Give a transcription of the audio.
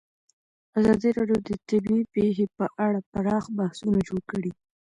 ازادي راډیو د طبیعي پېښې په اړه پراخ بحثونه جوړ کړي.